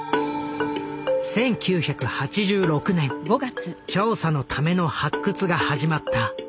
１９８６年調査のための発掘が始まった。